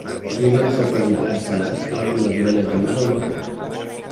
S'usa en sopes i plats salats tals com les orelles de mar al vapor.